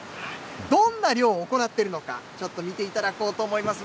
どんな漁を行っているのか、ちょっと見ていただこうと思います。